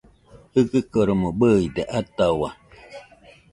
Jɨgɨkoromo bɨide atahau